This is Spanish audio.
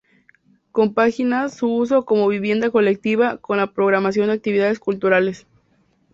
Compagina su uso como vivienda colectiva con la programación de actividades culturales.